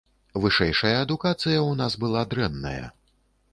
Вышэйшая адукацыя ў нас была дрэнная.